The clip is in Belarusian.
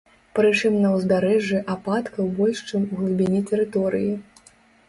Прычым на ўзбярэжжы ападкаў больш чым у глыбіні тэрыторыі.